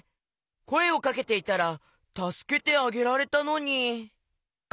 こえをかけていたらたすけてあげられたのに。